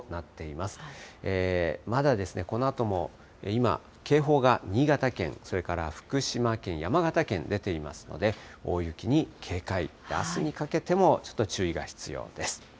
まだこのあとも今、警報が、新潟県、それから福島県、山形県に出ていますので、大雪に警戒、あすにかけてもちょっと注意が必要です。